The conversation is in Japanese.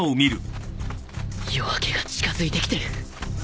夜明けが近づいてきてる